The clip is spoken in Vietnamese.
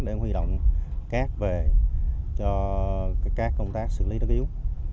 để huy động cát về cho các công tác xử lý tất yếu